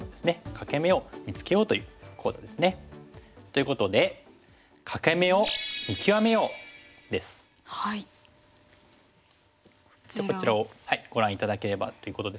欠け眼を見つけようという講座ですね。ということでこちらをご覧頂ければということですけども。